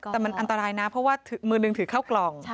แต่มันอันตรายนะเพราะว่ามือหนึ่งถือเข้ากล่อง